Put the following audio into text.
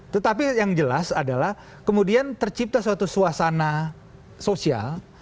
tetapi yang jelas adalah kemudian tercipta suatu suasana sosial